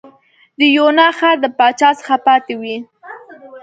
د یونا ښار د پاچا څخه پاتې وې.